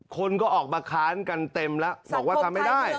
คนก็ออกมาค้านกันเต็มแล้วบอกว่าทำไม่ได้